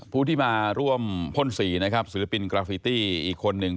ผู้ที่มาร่วมพ่นสีนะครับศิลปินกราฟิตี้อีกคนหนึ่ง